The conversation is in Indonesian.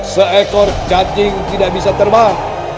seekor cacing tidak bisa terbang